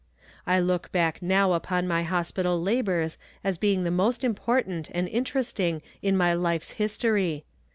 I look back now upon my hospital labors as being the most important and interesting in my life's history.